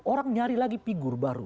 orang nyari lagi figur baru